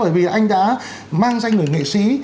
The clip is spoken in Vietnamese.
bởi vì anh đã mang danh người nghệ sĩ